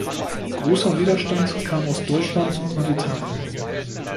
Großer Widerstand kam aus Deutschland und Italien.